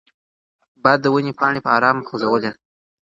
باد د ونې پاڼې په ارامه خوځولې.